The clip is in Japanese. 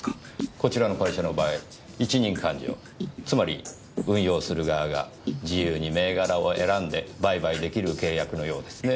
こちらの会社の場合一任勘定つまり運用する側が自由に銘柄を選んで売買できる契約のようですね。